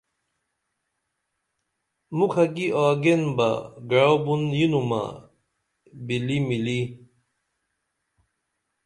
مُکھہ کی آگین بہ گعئو بُن ینومہ بلیمِلی